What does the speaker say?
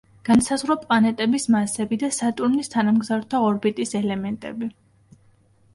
განსაზღვრა პლანეტების მასები და სატურნის თანამგზავრთა ორბიტის ელემენტები.